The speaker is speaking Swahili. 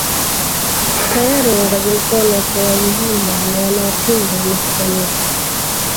Tayari waungaji mkono utoaji mimba na wanaopinga wamekusanyika